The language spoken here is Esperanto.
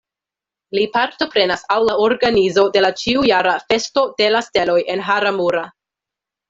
Li partoprenas al la organizo de la ĉiujara Festo de la Steloj en Hara-mura.